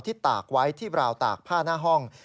ตากไว้ที่ราวตากผ้าหน้าห้อง